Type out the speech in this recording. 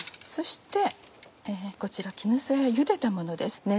そしてこちら絹さやゆでたものです。